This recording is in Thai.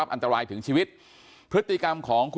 อันนี้มันต้องมีเครื่องชีพในกรณีที่มันเกิดเหตุวิกฤตจริงเนี่ย